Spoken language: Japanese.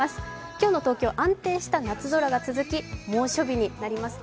今日の東京、安定した夏空が続き猛暑日になります。